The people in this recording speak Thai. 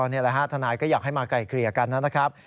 นี่แหละฮะทนายก็อยากให้มาไกลเกลี่ยกันนะครับ